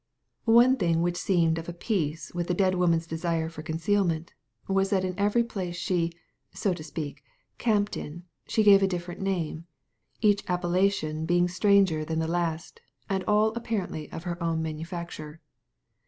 One thing which seemed of a piece with the dead woman's desire for concealment, was that in every place she — so to speak — camped in, she gave a different name ; each appellation being stranger than the last, and all apparently of her own manufacture.